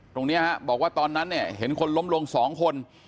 ตรงนี้บอกว่าตอนนั้นเนี่ยเห็นคนล้มลง๒คน